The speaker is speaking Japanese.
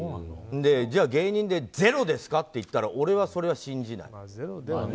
じゃあ、芸人でゼロですかといったら俺はそれは信じない。